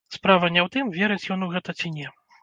Справа не ў тым, верыць ён у гэта ці не.